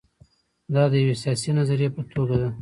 دا د یوې سیاسي نظریې په توګه ده.